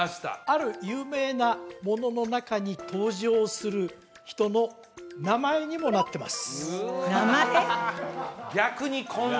ある有名なものの中に登場する人の名前にもなってます名前？